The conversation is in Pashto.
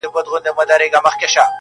د ښویېدلي سړي لوري د هُدا لوري,